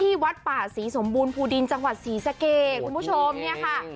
วัดป่าศรีสมบูรณ์ภูดินจังหวัดศรีสะเกดคุณผู้ชมเนี่ยค่ะ